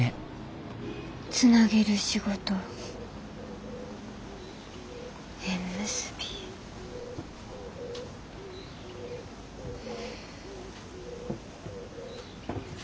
つなげる仕事縁結びうん。